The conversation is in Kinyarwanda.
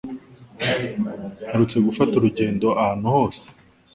Mperutse gufata urugendo ahantu hose?